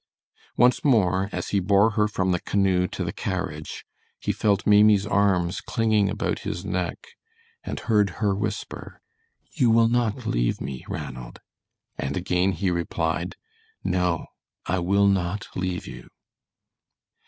Once more, as he bore her from the canoe to the carriage, he felt Maimie's arms clinging about his neck and heard her whisper, "You will not leave me, Ranald," and again he replied, "No, I will not leave you."